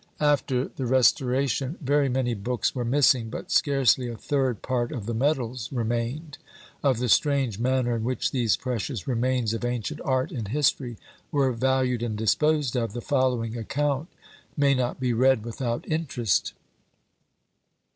After the Restoration very many books were missing; but scarcely a third part of the medals remained: of the strange manner in which these precious remains of ancient art and history were valued and disposed of, the following account may not be read without interest.